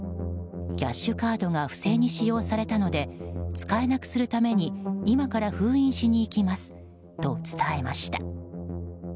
キャッシュカードが不正に使用されたので使えなくするために今から封印しにいきますと伝えました。